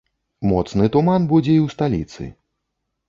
Моцны туман будзе і ў сталіцы.